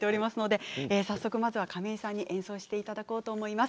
早速まずは亀井さんに演奏していただこうと思います。